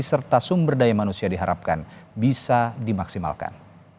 serta sumber daya manusia diharapkan bisa dimaksimalkan